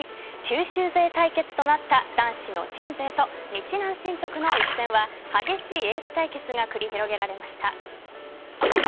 九州勢対決となった男子の鎮西と日南振徳の一戦は激しいエース対決が繰り広げられました。